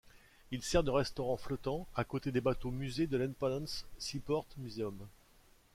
Il sert de restaurant flottant à côté des bateaux-musées de l'Independence Seaport Museum.